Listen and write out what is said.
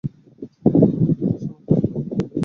তিনি কবিতা রচনা শুরু করেন।